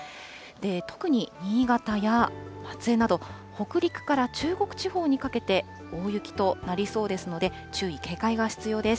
特に新潟や松江など、北陸から中国地方にかけて、大雪となりそうですので、注意、警戒が必要です。